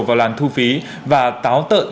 vào làn thu phí và táo tợn